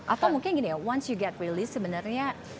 atau mungkin gini ya setelah kamu dikeluarkan sebenarnya